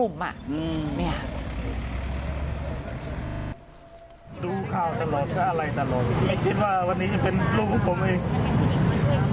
ดูข่าวตลอดถ้าอะไรตลกคิดว่าวันนี้จะเป็นลูกของผมเอง